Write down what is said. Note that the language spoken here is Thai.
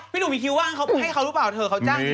พี่หนูมีคิวว่าให้เขารู้เปล่าเถอะเขาจ้างจริงนะ